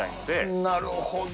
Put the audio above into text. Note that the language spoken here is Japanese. なるほど。